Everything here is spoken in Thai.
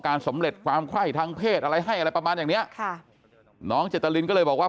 สำเร็จความไข้ทางเพศอะไรให้อะไรประมาณอย่างเนี้ยค่ะน้องเจตรินก็เลยบอกว่า